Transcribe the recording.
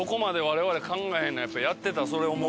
やってたらそれ思う？